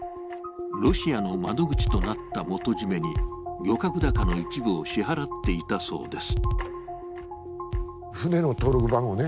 ロシアの窓口となった元締めに漁獲高の一部を支払っていたそうです。